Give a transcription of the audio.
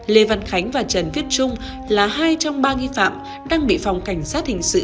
lê văn khánh và trần viết trung là hai trong ba nghi phạm đang bị phòng cảnh sát hình sự